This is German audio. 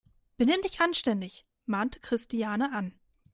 Benimm dich anständig!, mahnte Christiane an.